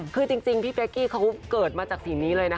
คือจริงพี่เป๊กกี้เขาเกิดมาจากสิ่งนี้เลยนะคะ